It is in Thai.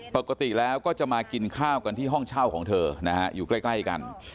ปกติแล้วก็จะมากินข้าวกันที่ห้องเช่าของเธอนะฮะอยู่ใกล้กัน